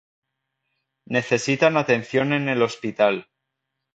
necesitan atención en el hospital